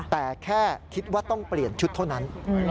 แต่แค่คิดว่าต้องเปลี่ยนชุดเท่านั้น